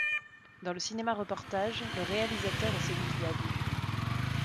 Dans le cinéma reportage, le réalisateur est celui qui a vu.